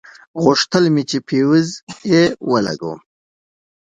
غوښتل مې چې فيوز يې ولګوم.